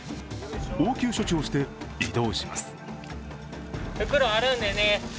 応急処置をして移動します。